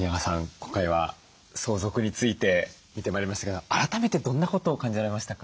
今回は相続について見てまいりましたけど改めてどんなことを感じられましたか？